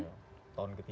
tahun ketiga ya